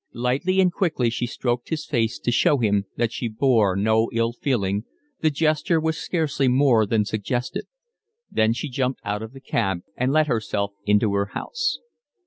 Lightly and quickly she stroked his face to show him that she bore no ill feeling, the gesture was scarcely more than suggested; then she jumped out of the cab and let herself into her house.